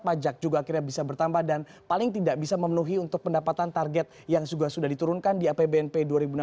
pajak juga akhirnya bisa bertambah dan paling tidak bisa memenuhi untuk pendapatan target yang sudah diturunkan di apbnp dua ribu enam belas